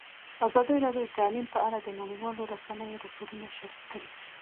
ازادي راډیو د تعلیم په اړه د نړیوالو رسنیو راپورونه شریک کړي.